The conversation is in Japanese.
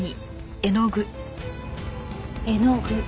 絵の具。